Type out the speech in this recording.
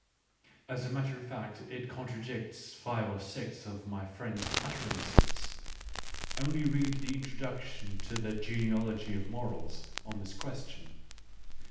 As a matter of fact it con tradicts five or six of my friend's utterances : only read the introduction to The Genealogy of Morals on this question.